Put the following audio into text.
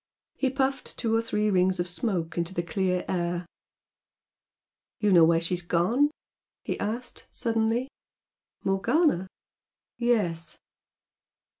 He puffed two or three rings of smoke into the clear air. "You know where she's gone?" he asked, suddenly. "Morgana?" "Yes."